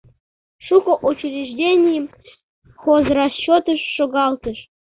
Шуко учрежденийым хозрасчётыш шогалтышт.